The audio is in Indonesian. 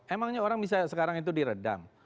emangnya orang bisa sekarang itu diredam